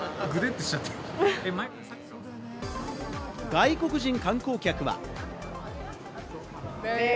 外国人観光客は。